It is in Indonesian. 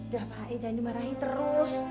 ya pak ya jangan dimarahi terus